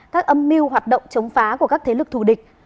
các âm mưu hoạt động chống phá của các thế lực thù địch